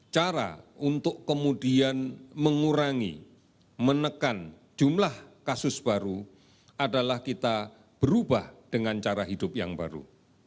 cara untuk kemudian mengurangi menekan jumlah kasus baru adalah kita berubah dengan cara hidup yang baru